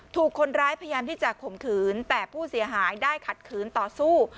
ถูกคนร้ายพยายามที่จะข่มขืนแต่ผู้เสียหายได้ขัดขืนต่อสู้